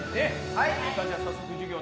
はい。